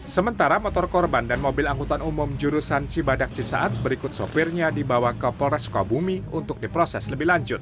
sementara motor korban dan mobil angkutan umum jurusan cibadak cisaat berikut sopirnya dibawa ke polres sukabumi untuk diproses lebih lanjut